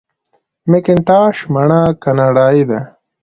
مکینټاش مڼه کاناډايي ده.